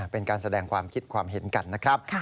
เป็นการแสดงความคิดความเห็นกันนะครับ